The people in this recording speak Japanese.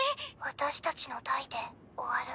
私たちの代で終わる。